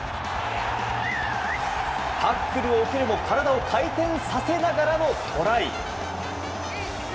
タックルを受けるも体を回転させながらのトライ。